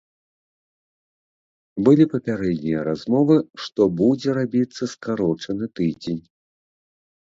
Былі папярэднія размовы, што будзе рабіцца скарочаны тыдзень.